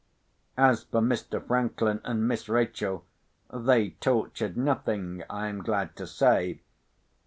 As for Mr. Franklin and Miss Rachel, they tortured nothing, I am glad to say.